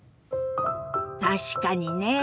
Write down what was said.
確かにね。